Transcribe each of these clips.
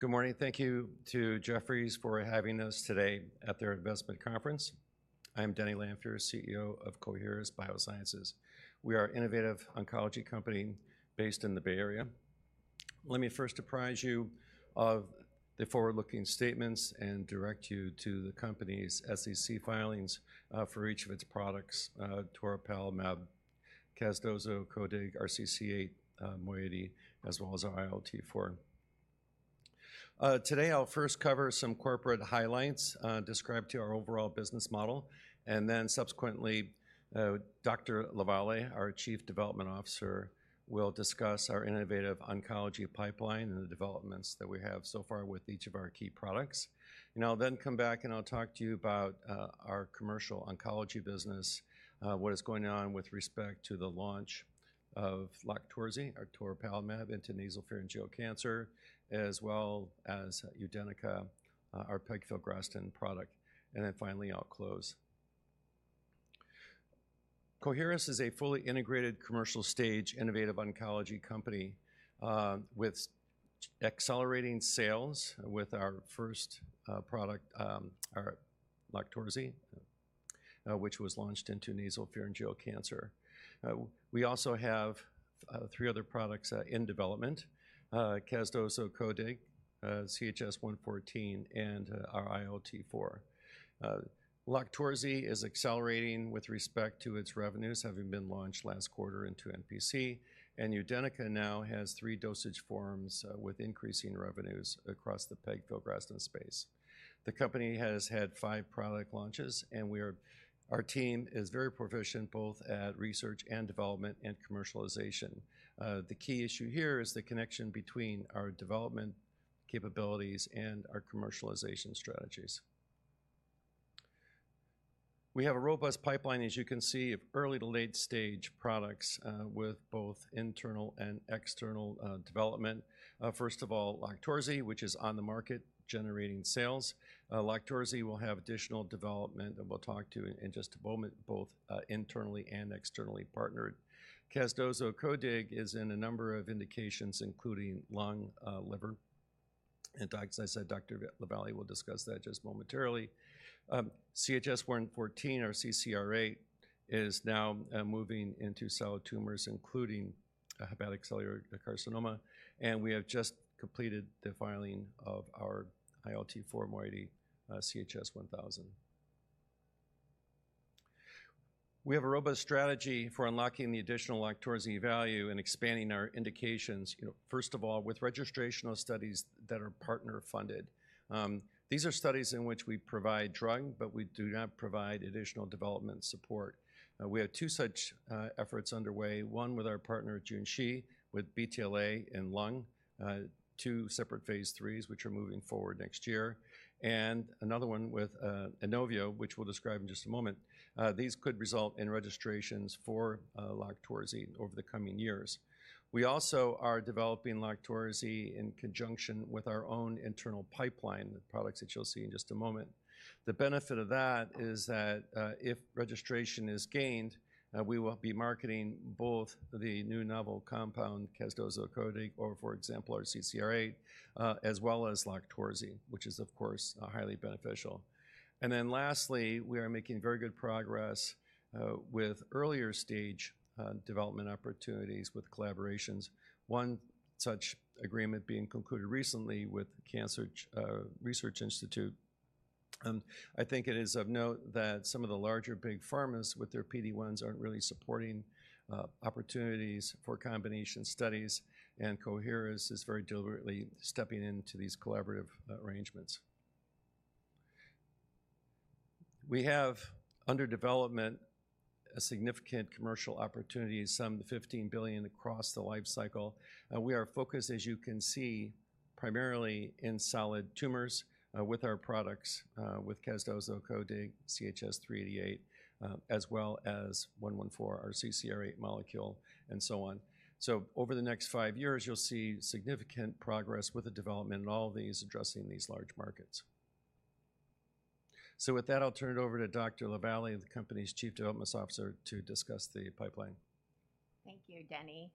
Good morning. Thank you to Jefferies for having us today at their investment conference. I'm Denny Lanfear, CEO of Coherus BioSciences. We are an innovative oncology company based in the Bay Area. Let me first apprise you of the forward-looking statements and direct you to the company's SEC filings for each of its products, toripalimab, Casdozokitug, CCR8 moiety, as well as ILT4. Today, I'll first cover some corporate highlights, describe to our overall business model, and then subsequently, Dr. LaVallee, our Chief Development Officer, will discuss our innovative oncology pipeline and the developments that we have so far with each of our key products. I'll then come back, and I'll talk to you about our commercial oncology business, what is going on with respect to the launch of LOQTORZI, our toripalimab, into nasopharyngeal cancer, as well as UDENYCA, our pegfilgrastim product. Then finally, I'll close. Coherus is a fully integrated, commercial-stage, innovative oncology company, with accelerating sales with our first product, our LOQTORZI, which was launched into nasopharyngeal cancer. We also have three other products in development: Casdozokitug, CHS-114, and our ILT4. LOQTORZI is accelerating with respect to its revenues, having been launched last quarter into NPC, and UDENYCA now has three dosage forms, with increasing revenues across the pegfilgrastim space. The company has had five product launches, and our team is very proficient both at research and development and commercialization. The key issue here is the connection between our development capabilities and our commercialization strategies. We have a robust pipeline, as you can see, of early to late-stage products, with both internal and external development. First of all, LOQTORZI, which is on the market, generating sales. LOQTORZI will have additional development, and we'll talk to you in just a moment, both internally and externally partnered. Casdozokitug is in a number of indications, including lung, liver. And as I said, Dr. LaVallee will discuss that just momentarily. CHS-114 or CCR8 is now moving into solid tumors, including hepatocellular carcinoma, and we have just completed the filing of our ILT4 moiety, CHS-1000. We have a robust strategy for unlocking the additional LOQTORZI value and expanding our indications, you know, first of all, with registrational studies that are partner-funded. These are studies in which we provide drug, but we do not provide additional development support. We have two such efforts underway, one with our partner, Junshi, with BTLA and lung, two separate Phase IIIs, which are moving forward next year, and another one with Inovio, which we'll describe in just a moment. These could result in registrations for LOQTORZI over the coming years. We also are developing LOQTORZI in conjunction with our own internal pipeline, the products that you'll see in just a moment. The benefit of that is that, if registration is gained, we will be marketing both the new novel compound, Casdozokitug, or for example, our CCR8, as well as LOQTORZI, which is, of course, highly beneficial. And then lastly, we are making very good progress, with earlier stage, development opportunities with collaborations. One such agreement being concluded recently with Cancer Research Institute. I think it is of note that some of the larger big pharmas with their PD-1s aren't really supporting, opportunities for combination studies, and Coherus is very deliberately stepping into these collaborative, arrangements. We have, under development, a significant commercial opportunity, some $15 billion across the life cycle. We are focused, as you can see, primarily in solid tumors, with our products, with casdozokitug, CHS-388, as well as 114, our CCR8 molecule, and so on. So over the next five years, you'll see significant progress with the development in all these addressing these large markets. So with that, I'll turn it over to Dr. LaVallee, the company's Chief Development Officer, to discuss the pipeline. Thank you, Denny.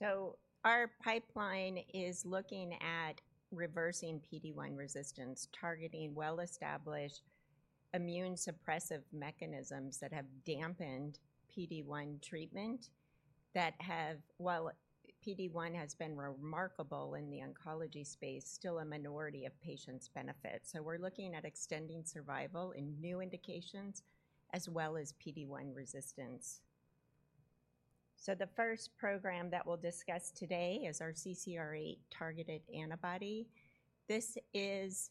So our pipeline is looking at reversing PD-1 resistance, targeting well-established immune suppressive mechanisms that have dampened PD-1 treatment while PD-1 has been remarkable in the oncology space, still a minority of patients benefit. So we're looking at extending survival in new indications, as well as PD-1 resistance. So the first program that we'll discuss today is our CCR8-targeted antibody. This is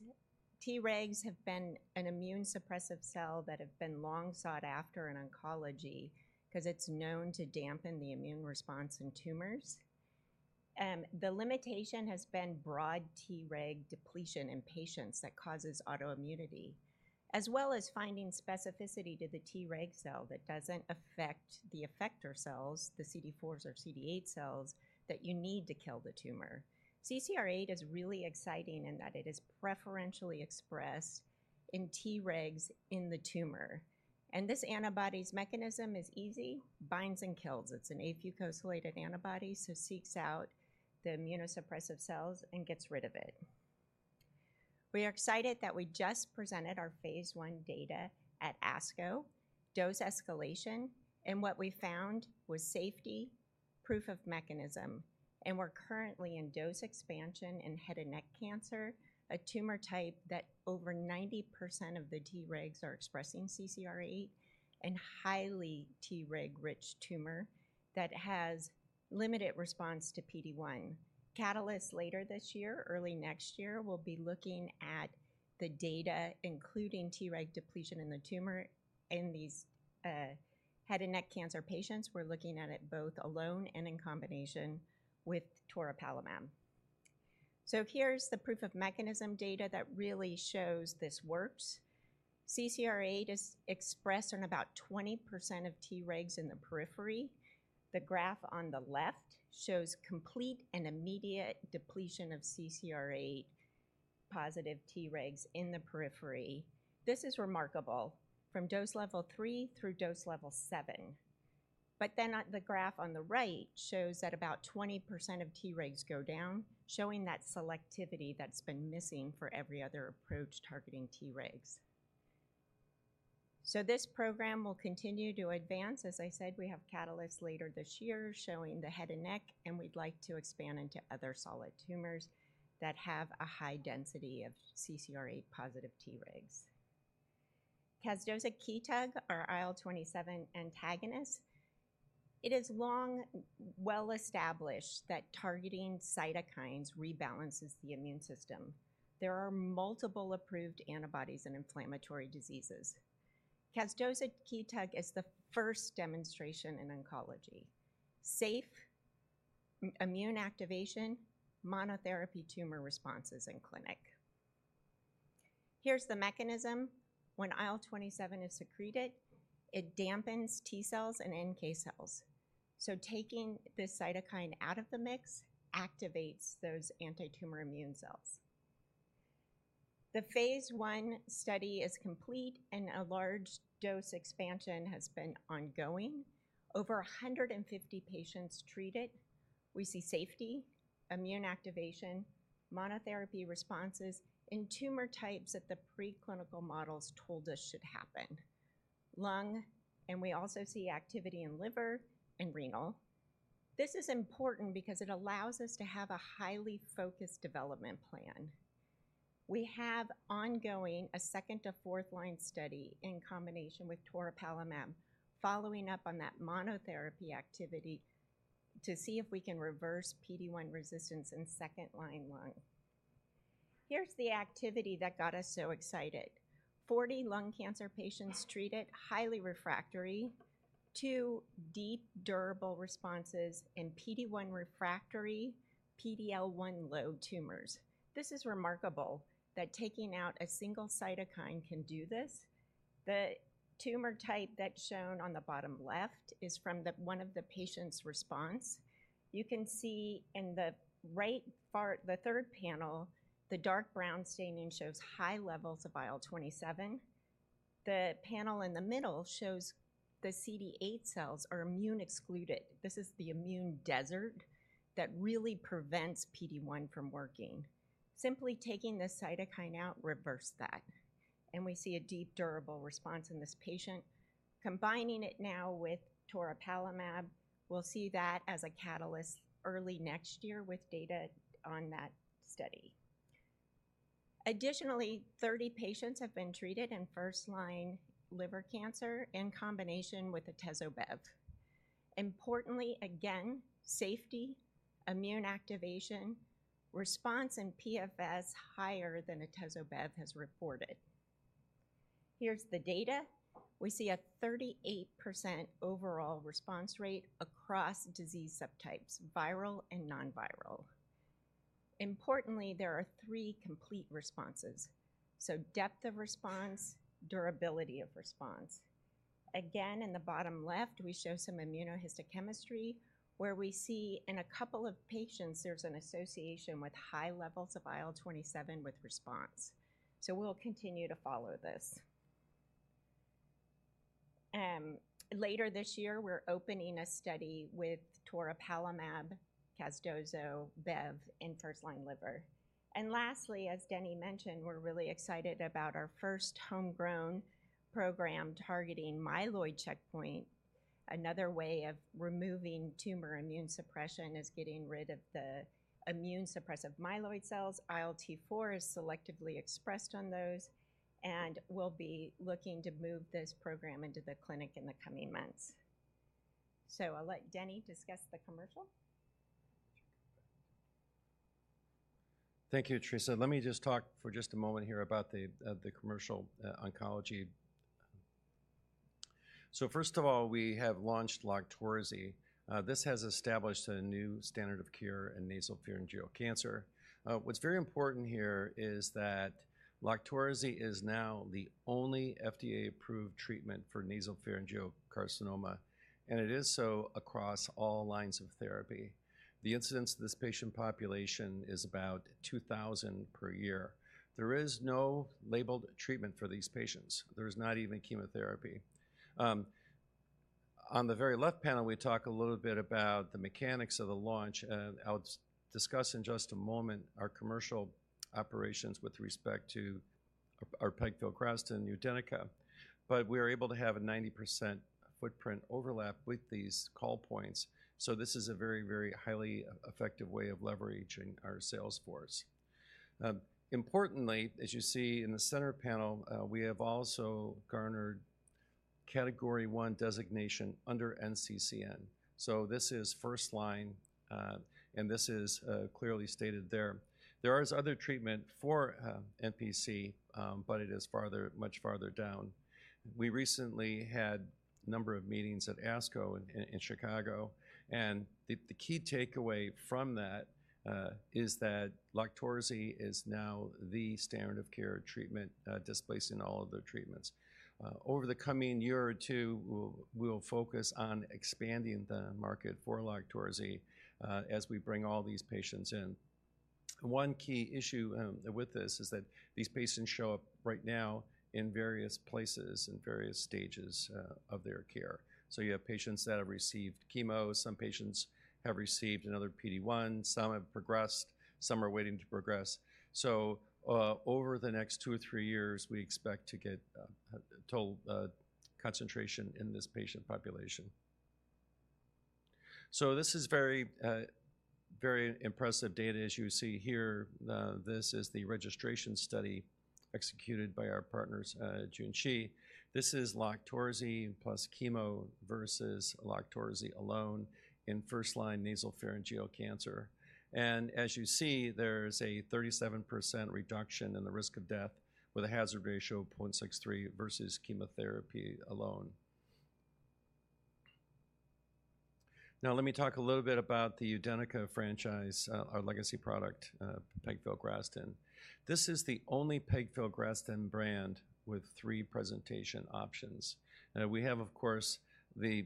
Tregs have been an immune suppressive cell that have been long sought after in oncology because it's known to dampen the immune response in tumors. The limitation has been broad Treg depletion in patients that causes autoimmunity, as well as finding specificity to the Treg cell that doesn't affect the effector cells, the CD4s or CD8 cells, that you need to kill the tumor. CCR8 is really exciting in that it is preferentially expressed in Tregs in the tumor, and this antibody's mechanism is easy, binds and kills. It's an afucosylated antibody, so seeks out the immunosuppressive cells and gets rid of it. We are excited that we just presented our Phase I data at ASCO dose escalation, and what we found was safety, proof of mechanism. We're currently in dose expansion in head and neck cancer, a tumor type that over 90% of the Tregs are expressing CCR8 and highly Treg-rich tumor that has limited response to PD-1. Catalyst later this year, early next year, will be looking at the data, including Treg depletion in the tumor in these head and neck cancer patients. We're looking at it both alone and in combination with toripalimab. Here's the proof of mechanism data that really shows this works. CCR8 is expressed in about 20% of Tregs in the periphery. The graph on the left shows complete and immediate depletion of CCR8 positive Tregs in the periphery. This is remarkable, from dose level 3 through dose level 7. But then on the graph on the right shows that about 20% of Tregs go down, showing that selectivity that's been missing for every other approach targeting Tregs. So this program will continue to advance. As I said, we have catalysts later this year showing the head and neck, and we'd like to expand into other solid tumors that have a high density of CCR8 positive Tregs. Casdozokitug, our IL-27 antagonist. It is long well-established that targeting cytokines rebalances the immune system. There are multiple approved antibodies in inflammatory diseases. Casdozokitug is the first demonstration in oncology. Safe, immune activation, monotherapy tumor responses in clinic. Here's the mechanism. When IL-27 is secreted, it dampens T cells and NK cells. So taking this cytokine out of the mix activates those anti-tumor immune cells. The Phase I study is complete, and a large dose expansion has been ongoing. Over 150 patients treated, we see safety, immune activation, monotherapy responses in tumor types that the preclinical models told us should happen. Lung, and we also see activity in liver and renal. This is important because it allows us to have a highly focused development plan. We have ongoing a second to fourth line study in combination with toripalimab, following up on that monotherapy activity to see if we can reverse PD-1 resistance in second-line lung. Here's the activity that got us so excited. 40 lung cancer patients treated, highly refractory, two deep, durable responses in PD-1 refractory, PD-L1 low tumors. This is remarkable that taking out a single cytokine can do this. The tumor type that's shown on the bottom left is from the one of the patient's response. You can see in the right part, the third panel, the dark brown staining shows high levels of IL-27. The panel in the middle shows the CD8 cells are immune excluded. This is the immune desert that really prevents PD-1 from working. Simply taking the cytokine out reversed that, and we see a deep, durable response in this patient. Combining it now with toripalimab, we'll see that as a catalyst early next year with data on that study. Additionally, 30 patients have been treated in first-line liver cancer in combination with atezo/bev. Importantly, again, safety, immune activation, response, and PFS higher than atezo/bev has reported. Here's the data. We see a 38% overall response rate across disease subtypes, viral and non-viral. Importantly, there are three complete responses, so depth of response, durability of response. Again, in the bottom left, we show some immunohistochemistry, where we see in a couple of patients, there's an association with high levels of IL-27 with response. So we'll continue to follow this. Later this year, we're opening a study with toripalimab, Casdozokitug in first-line liver. And lastly, as Denny mentioned, we're really excited about our first homegrown program targeting myeloid checkpoint. Another way of removing tumor immune suppression is getting rid of the immune suppressive myeloid cells. ILT4 is selectively expressed on those, and we'll be looking to move this program into the clinic in the coming months. So I'll let Denny discuss the commercial. Thank you, Theresa. Let me just talk for just a moment here about the commercial oncology. So first of all, we have launched LOQTORZI. This has established a new standard of care in nasopharyngeal cancer. What's very important here is that LOQTORZI is now the only FDA-approved treatment for nasopharyngeal carcinoma, and it is so across all lines of therapy. The incidence of this patient population is about 2,000 per year. There is no labeled treatment for these patients. There is not even chemotherapy. On the very left panel, we talk a little bit about the mechanics of the launch, and I'll discuss in just a moment our commercial operations with respect to our pegfilgrastim UDENYCA. But we are able to have a 90% footprint overlap with these call points, so this is a very, very highly effective way of leveraging our sales force. Importantly, as you see in the center panel, we have also garnered Category 1 designation under NCCN. So this is first line, and this is clearly stated there. There is other treatment for NPC, but it is farther, much farther down. We recently had a number of meetings at ASCO in Chicago, and the key takeaway from that is that LOQTORZI is now the standard of care treatment, displacing all other treatments. Over the coming year or two, we'll focus on expanding the market for LOQTORZI, as we bring all these patients in. One key issue with this is that these patients show up right now in various places, in various stages of their care. So you have patients that have received chemo, some patients have received another PD-1, some have progressed, some are waiting to progress. So over the next two or three years, we expect to get a total concentration in this patient population. So this is very very impressive data, as you see here. This is the registration study executed by our partners at Junshi. This is LOQTORZI plus chemo versus LOQTORZI alone in first-line nasopharyngeal cancer. And as you see, there's a 37% reduction in the risk of death, with a hazard ratio of 0.63 versus chemotherapy alone. Now, let me talk a little bit about the UDENYCA franchise, our legacy product, pegfilgrastim. This is the only pegfilgrastim brand with three presentation options. We have, of course, the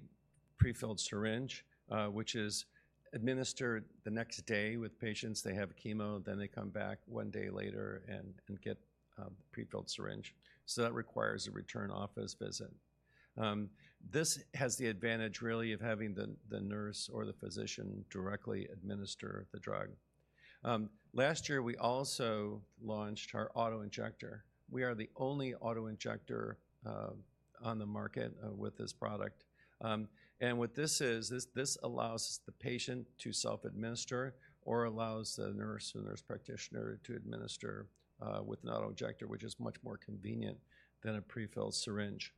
prefilled syringe, which is administered the next day with patients. They have chemo, then they come back one day later and get a prefilled syringe. So that requires a return office visit. This has the advantage, really, of having the nurse or the physician directly administer the drug. Last year, we also launched our auto-injector. We are the only auto-injector on the market with this product. And what this is, this allows the patient to self-administer or allows the nurse or nurse practitioner to administer with an auto-injector, which is much more convenient than a prefilled syringe.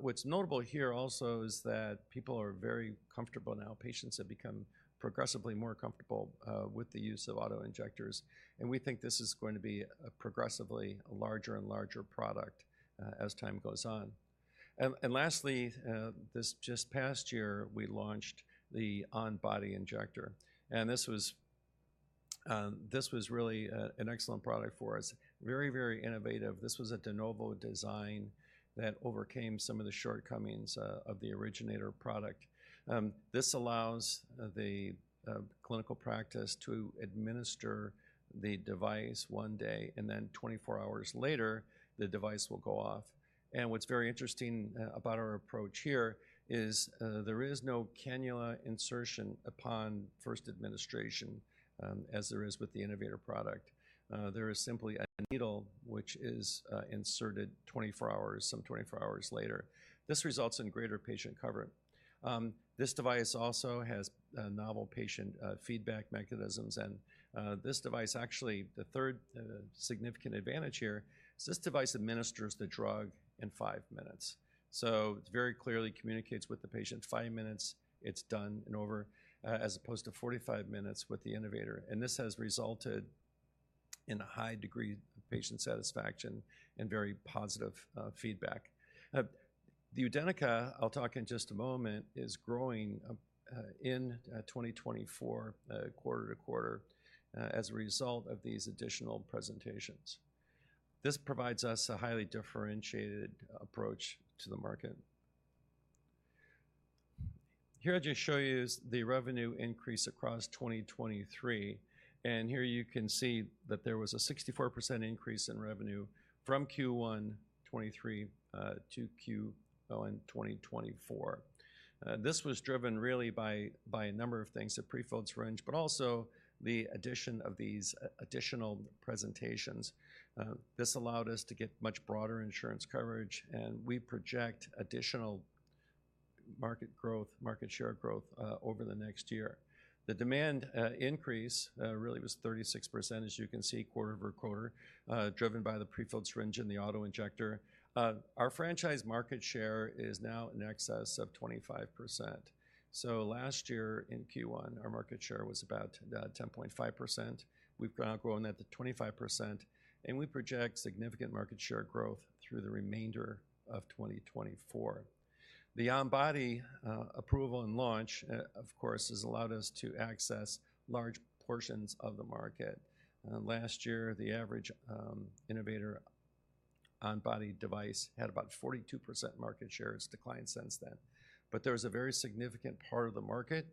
What's notable here also is that people are very comfortable now. Patients have become progressively more comfortable with the use of auto-injectors, and we think this is going to be a progressively larger and larger product as time goes on. And lastly, this just past year, we launched the on-body injector, and this was really a, an excellent product for us. Very, very innovative. This was a de novo design that overcame some of the shortcomings of the originator product. This allows the clinical practice to administer the device 1 day, and then 24 hours later, the device will go off. And what's very interesting about our approach here is there is no cannula insertion upon first administration as there is with the innovator product. There is simply a needle which is inserted 24 hours later. This results in greater patient coverage. This device also has novel patient feedback mechanisms, and this device, actually, the third significant advantage here is this device administers the drug in 5 minutes. So it very clearly communicates with the patient. 5 minutes, it's done and over, as opposed to 45 minutes with the innovator. And this has resulted in a high degree of patient satisfaction and very positive feedback. The UDENYCA, I'll talk in just a moment, is growing in 2024, quarter to quarter, as a result of these additional presentations. This provides us a highly differentiated approach to the market. Here, I'll just show you is the revenue increase across 2023, and here you can see that there was a 64% increase in revenue from Q1 2023 to Q1 2024. This was driven really by a number of things, the prefilled syringe, but also the addition of these additional presentations. This allowed us to get much broader insurance coverage, and we project additional market growth, market share growth over the next year. The demand increase really was 36%, as you can see, quarter-over-quarter, driven by the prefilled syringe and the auto-injector. Our franchise market share is now in excess of 25%. So last year in Q1, our market share was about 10.5%. We've now grown that to 25%, and we project significant market share growth through the remainder of 2024. The on-body approval and launch, of course, has allowed us to access large portions of the market. Last year, the average innovator-on-body device had about 42% market share. It's declined since then. But there is a very significant part of the market,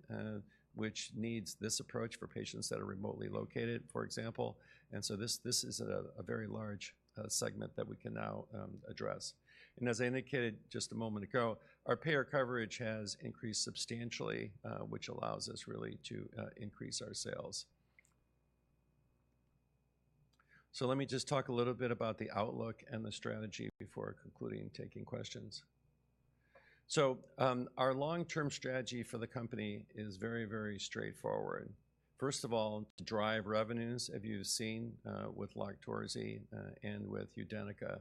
which needs this approach for patients that are remotely located, for example, and so this is a very large segment that we can now address. And as I indicated just a moment ago, our payer coverage has increased substantially, which allows us really to increase our sales. So let me just talk a little bit about the outlook and the strategy before concluding and taking questions. So, our long-term strategy for the company is very, very straightforward. First of all, to drive revenues, as you've seen, with LOQTORZI, and with UDENYCA.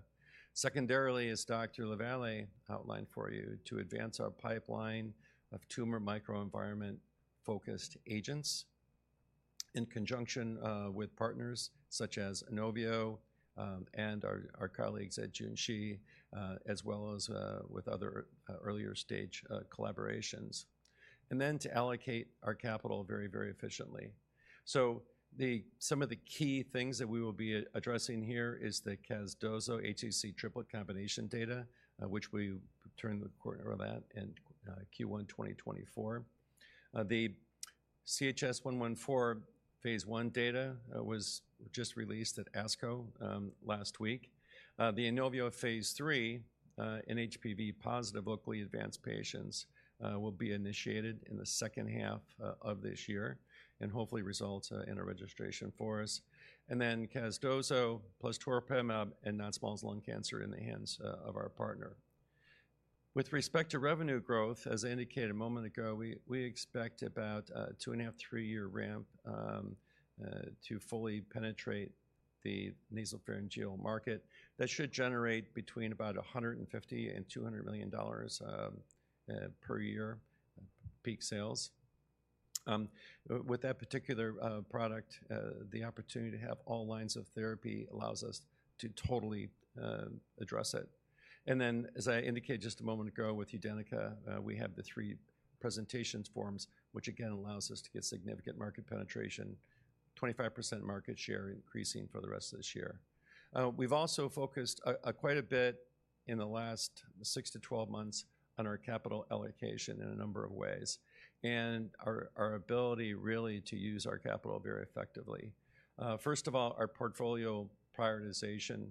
Secondarily, as Dr. LaVallee outlined for you to advance our pipeline of tumor microenvironment-focused agents in conjunction with partners such as Inovio and our colleagues at Junshi as well as with other earlier stage collaborations. And then to allocate our capital very, very efficiently. So some of the key things that we will be addressing here is the Casdozokitug + atezo/bev triple combination data, which we reported in Q1 2024. The CHS-114 Phase I data was just released at ASCO last week. The Inovio Phase III in HPV-positive locally advanced patients will be initiated in the second half of this year and hopefully result in a registration for us. And then Casdozokitug plus toripalimab and non-small cell lung cancer in the hands of our partner. With respect to revenue growth, as I indicated a moment ago, we expect about a 2.5-3-year ramp to fully penetrate the nasopharyngeal market. That should generate between about $150 million and $200 million per year peak sales. With that particular product, the opportunity to have all lines of therapy allows us to totally address it. And then, as I indicated just a moment ago with UDENYCA, we have the three presentation forms, which again allows us to get significant market penetration, 25% market share, increasing for the rest of this year. We've also focused quite a bit in the last 6-12 months on our capital allocation in a number of ways, and our ability really to use our capital very effectively. First of all, our portfolio prioritization.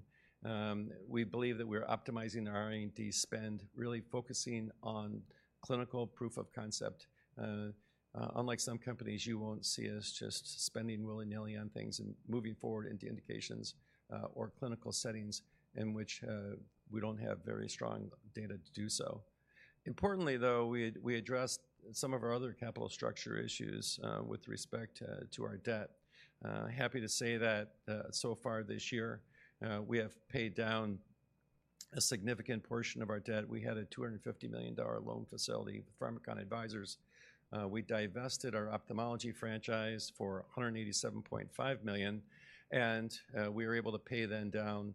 We believe that we're optimizing our R&D spend, really focusing on clinical proof of concept. Unlike some companies, you won't see us just spending willy-nilly on things and moving forward into indications, or clinical settings in which we don't have very strong data to do so. Importantly, though, we addressed some of our other capital structure issues, with respect to our debt. Happy to say that, so far this year, we have paid down a significant portion of our debt. We had a $250 million loan facility, Pharmakon Advisors. We divested our ophthalmology franchise for a $187.5 million, and we were able to pay then down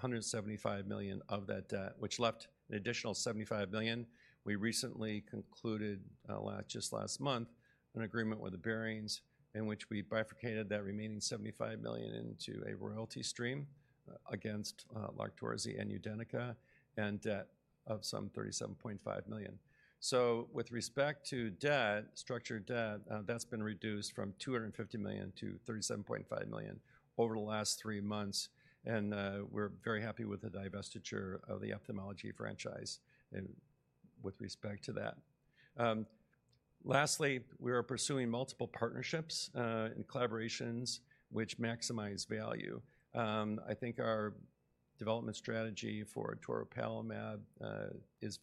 a $175 million of that debt, which left an additional $75 million. We recently concluded just last month an agreement with Barings in which we bifurcated that remaining $75 million into a royalty stream against LOQTORZI and UDENYCA, and debt of some $37.5 million. So with respect to debt, structured debt, that's been reduced from $250 million to $37.5 million over the last three months, and we're very happy with the divestiture of the ophthalmology franchise and with respect to that. Lastly, we are pursuing multiple partnerships and collaborations which maximize value. I think our development strategy for toripalimab is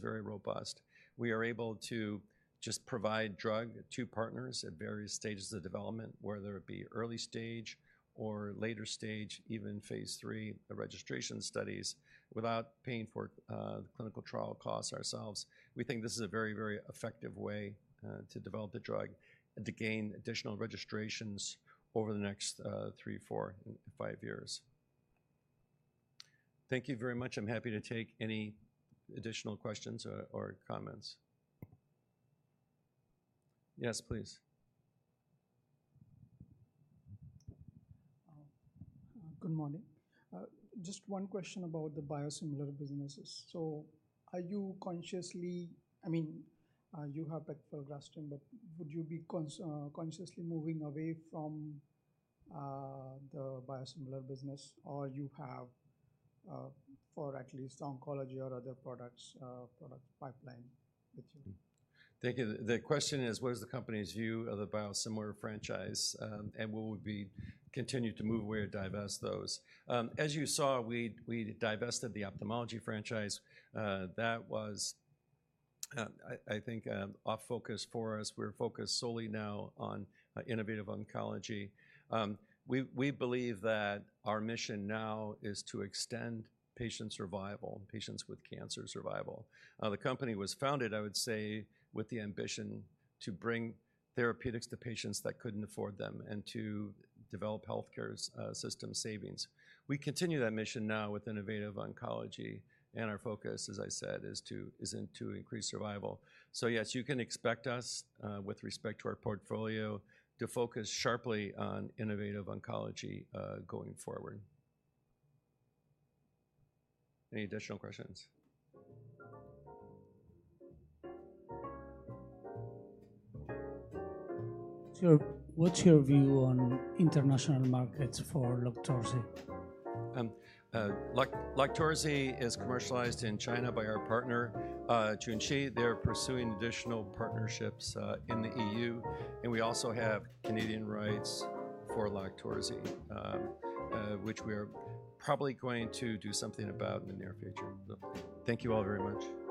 very robust. We are able to just provide drug to partners at various stages of development, whether it be early stage or later stage, even Phase III, the registration studies, without paying for the clinical trial costs ourselves. We think this is a very, very effective way to develop the drug and to gain additional registrations over the next three, four, and five years. Thank you very much. I'm happy to take any additional questions or, or comments. Yes, please. Good morning. Just one question about the biosimilar businesses. So are you consciously—I mean, you have pegfilgrastim, but would you be consciously moving away from the biosimilar business, or you have, for at least oncology or other products, product pipeline with you? Thank you. The question is, what is the company's view of the biosimilar franchise? And will we continue to move away or divest those? As you saw, we divested the ophthalmology franchise. That was off focus for us. We're focused solely now on innovative oncology. We believe that our mission now is to extend patient survival, patients with cancer survival. The company was founded, I would say, with the ambition to bring therapeutics to patients that couldn't afford them and to develop healthcare's system savings. We continue that mission now with innovative oncology, and our focus, as I said, is to increase survival. So yes, you can expect us, with respect to our portfolio, to focus sharply on innovative oncology, going forward. Any additional questions? What's your view on International Markets for LOQTORZI? LOQTORZI is commercialized in China by our partner, Junshi. They're pursuing additional partnerships in the EU, and we also have Canadian rights for LOQTORZI, which we are probably going to do something about in the near future. Thank you all very much.